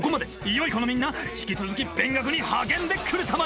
良い子のみんな引き続き勉学に励んでくれたまえ！